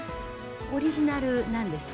オリジナルなんですね。